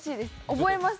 覚えます。